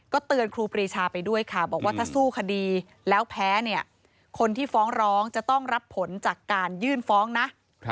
เตือนครูปรีชาไปด้วยค่ะบอกว่าถ้าสู้คดีแล้วแพ้เนี่ยคนที่ฟ้องร้องจะต้องรับผลจากการยื่นฟ้องนะ